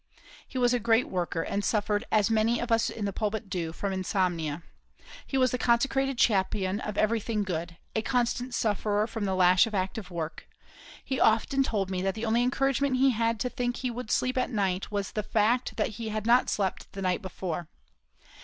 He was a great worker, and suffered, as many of us in the pulpit do, from insomnia. He was the consecrated champion of everything good, a constant sufferer from the lash of active work. He often told me that the only encouragement he had to think he would sleep at night was the fact that he had not slept the night before.